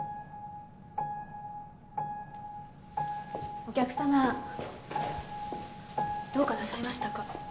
お客様どうかなさいましたか？